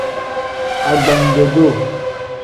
Agbanjo-duu.